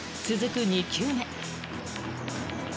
続く、２球目。